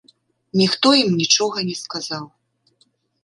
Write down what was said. Ніхто ім нічога не сказаў.